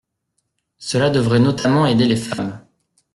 Cela devrait notamment aider les femmes.